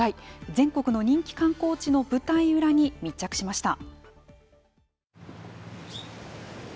全国の人気観光地の舞台裏に密着しました。